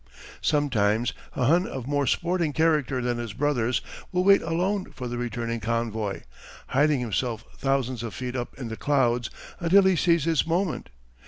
Sometimes a Hun of more sporting character than his brothers will wait alone for the returning convoy, hiding himself thousands of feet up in the clouds until he sees his moment.